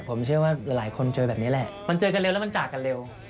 ผมเชื่อว่าหลายคนเจอแบบนี้แหละมันเจอกันเร็วแล้วมันจากกันเร็ว